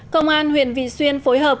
công an huyện vị xuyên phối hợp